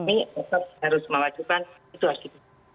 ini harus melakukan situasi ini